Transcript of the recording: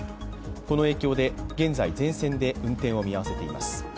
この影響で現在、全線で運転を見合わせています。